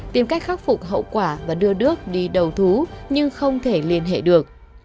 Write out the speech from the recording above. tìm cách khắc phục hậu quả và đưa nước đi đầu thú nhưng không thể liên hệ được